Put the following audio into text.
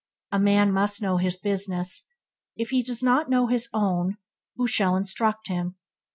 A man must know his business. If he does not know his own, who shall instruct him?